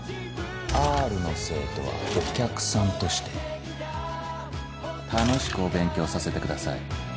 Ｒの生徒はお客さんとして楽しくお勉強させてください。